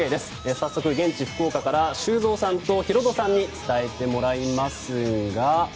早速、現地・福岡から修造さんとヒロドさんに伝えてもらいますが。